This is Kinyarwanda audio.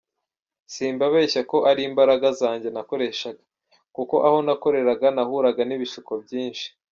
Simbabeshya ko ari imbaraga zanjye nakoreshaga, kuko aho nakoreraga nahuraga n’ibishuko byinshi.